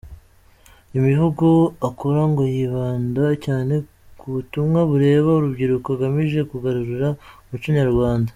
Imivugo akora ngo yibanda cyane ku butumwa bureba urubyiruko agamije kugarura umuco nyarwanda.